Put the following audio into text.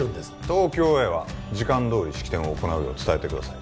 東京へは時間どおり式典を行うよう伝えてください